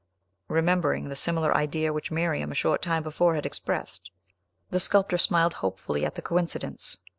Remembering the similar idea which Miriam a short time before had expressed, the sculptor smiled hopefully at the coincidence.